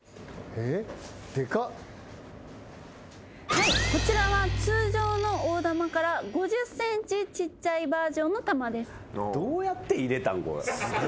はいこちらは通常の大玉から５０ｃｍちっちゃいバージョンの玉です。